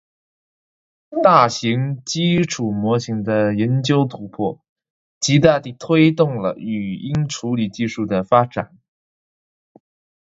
大型基础模型的研究突破，极大地推动了语音处理技术的发展。